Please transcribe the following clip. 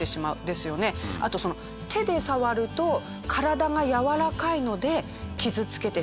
あと手で触ると体がやわらかいので傷つけてしまう。